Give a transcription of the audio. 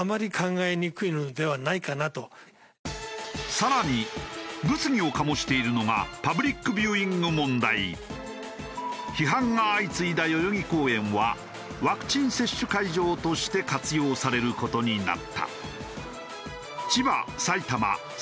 更に物議を醸しているのが批判が相次いだ代々木公園はワクチン接種会場として活用される事になった。